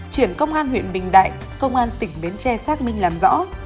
chuyển công an huyện bình đại công an tỉnh bến tre xác minh làm rõ